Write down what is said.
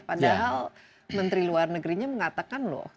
padahal menteri luar negerinya mengatakan loh